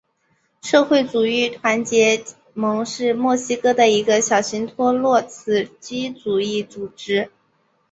社会主义团结联盟是墨西哥的一个小型托洛茨基主义组织。